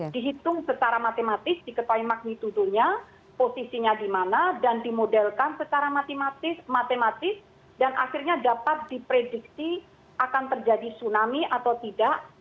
dihitung secara matematis diketahui magnitudonya posisinya di mana dan dimodelkan secara matematis dan akhirnya dapat diprediksi akan terjadi tsunami atau tidak